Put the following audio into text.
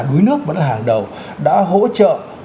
đuối nước vẫn là hàng đầu đã hỗ trợ